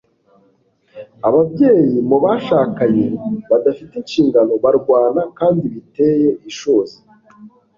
ababyeyi mubashakanye badafite inshingano, barwana kandi biteye ishozi